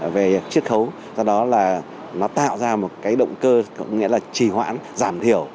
về triết khấu do đó là nó tạo ra một cái động cơ có nghĩa là trì hoãn giảm thiểu